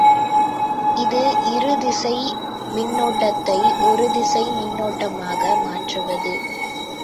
இது இருதிசை மின்னோட்டத்தை ஒருதிசை மின்னோட்டமாக மாற்றுவது.